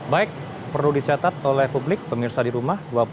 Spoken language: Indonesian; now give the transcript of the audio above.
baik perlu dicatat oleh publik pemirsa di rumah